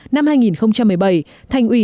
năm hai nghìn một mươi bảy thành ủy